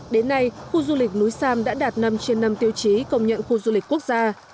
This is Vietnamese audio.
đến nay khu du lịch núi sam đã đạt năm trên năm tiêu chí công nhận khu du lịch quốc gia